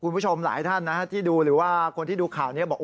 คุณผู้ชมหลายท่านที่ดูหรือว่าคนที่ดูข่าวนี้บอก